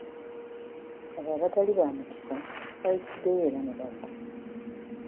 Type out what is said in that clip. Abo abatali ba mukisa bayitiddeyo era ne bafa.